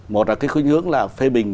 một là cái khuyến hướng là phê bình